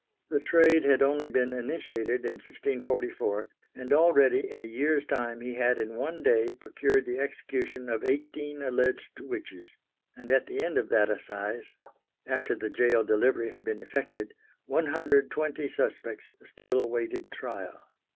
The trade had only been initiated in 1644, and already in a year's time he had in one day procured the execution of eighteen alleged witches; and at the end of that assize, after the gaol delivery had been effected, one hundred and twenty suspects still awaited trial.